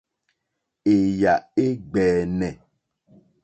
Èyà é ɡbɛ̀ɛ̀nɛ̀.